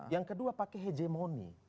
yang kedua pakai hegemoni